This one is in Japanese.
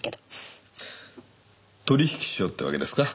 取引しようってわけですか？